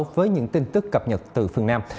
với những tin tức cập nhật từ phương nam